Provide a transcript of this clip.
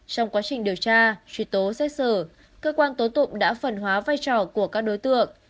trong quá trình điều tra truy tố xét xử cơ quan tố tụng đã phần hóa vai trò của các đối tượng